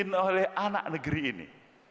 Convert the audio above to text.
yang dimiliki oleh anak negeri ini